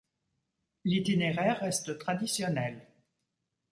L'itinéraire reste traditionnel.